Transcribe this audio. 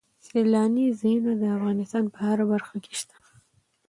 سیلاني ځایونه د افغانستان په هره برخه کې شته.